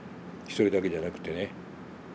１人だけじゃなくてね。